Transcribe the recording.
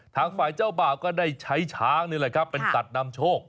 ทางฝ่ายเจ้าบ่าก็ได้ใช้ช้างเป็นตัดนำโชค